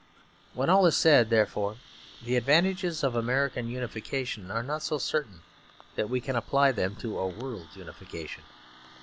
When all is said, therefore, the advantages of American unification are not so certain that we can apply them to a world unification.